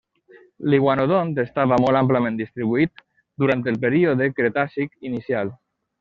L'iguanodont estava molt amplament distribuït durant el període cretàcic inicial.